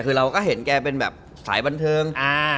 เราก็เห็นแกเป็นสายบันเทิง